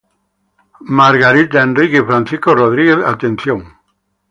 Margery, Enrique y Francisco Rodríguez Atencio.